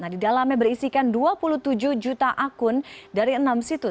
di dalamnya berisikan dua puluh tujuh juta akun dari enam situs